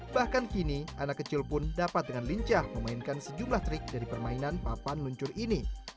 bahkan kini anak kecil pun dapat dengan lincah memainkan sejumlah trik dari permainan papan luncur ini